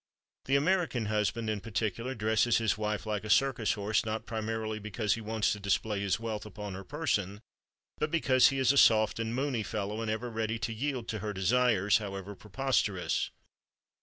The American husband, in particular, dresses his wife like a circus horse, not primarily because he wants to display his wealth upon her person, but because he is a soft and moony fellow and ever ready to yield to her desires, however preposterous.